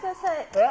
「えっ？